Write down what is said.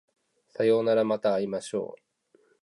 さようならまた会いましょう